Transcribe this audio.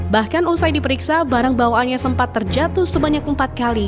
bahkan usai diperiksa barang bawaannya sempat terjatuh sebanyak empat kali